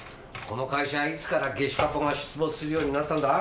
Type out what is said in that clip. この会社はいつからゲシュタポが出没するようになったんだ？